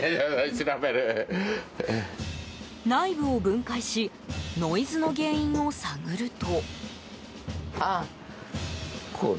内部を分解しノイズの原因を探ると。